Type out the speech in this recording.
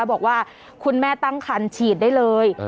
บอกว่าคุณแม่ตั้งคันฉีดได้เลย